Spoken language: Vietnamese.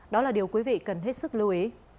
đó là điều quý vị cần hết sức lưu ý